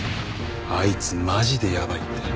あいつマジでやばいって。